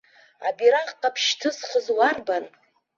Абираҟ ҟаԥшь шьҭызхыз уарбан?